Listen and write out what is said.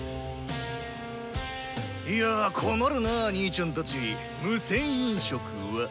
いや困るなにいちゃんたち「無銭飲食」は。